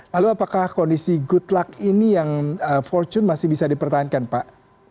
lalu apakah kondisi good luck ini yang fortune masih bisa dipertahankan pak